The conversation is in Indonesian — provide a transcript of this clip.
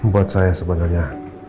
buat saya sebenarnya